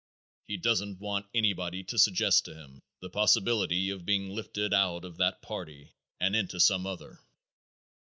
He don't want anybody to suggest to him the possibility of being lifted out of that party and into some other.